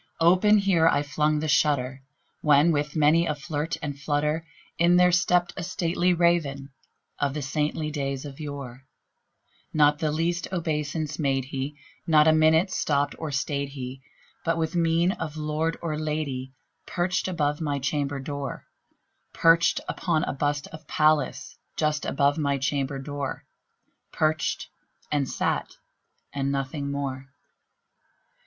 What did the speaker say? Open here I flung the shutter, when, with many a flirt and flutter, In there stepped a stately Raven of the saintly days of yore; Not the least obeisance made he: not an instant stopped or stayed he; But, with mien of lord or lady, perched above my chamber door Perched upon a bust of Pallas just above my chamber door Perched, and sat, and nothing more.